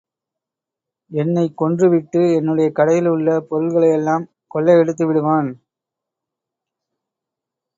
என்னைக் கொன்று விட்டு என்னுடைய கடையில் உள்ள பொருள்களையெல்லாம் கொள்ளையடித்து விடுவான்.